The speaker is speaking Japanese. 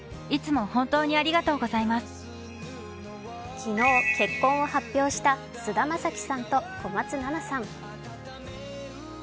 昨日、結婚を発表した菅田将暉さんと小松菜奈さん。